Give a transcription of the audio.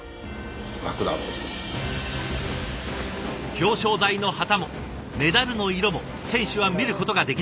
表彰台の旗もメダルの色も選手は見ることができない。